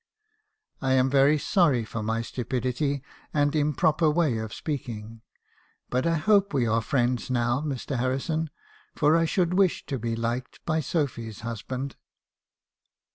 I am very sorry for my stupidity, and improper way of speaking; but I hope we are friends now , Mr. Harrison, for I should wish to be liked by Sophy's husband.'